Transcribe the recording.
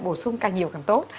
bổ sung càng nhiều càng tốt